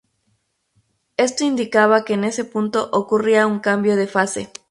Esto indicaba que en ese punto ocurría un cambio de fase.